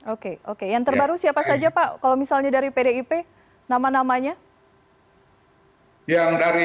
oke oke yang terbaru siapa saja pak kalau misalnya dari pdip nama namanya